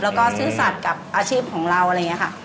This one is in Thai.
แล้วก็ซื้อสัตว์กับอาชีพของเราแบบนี้ค่ะ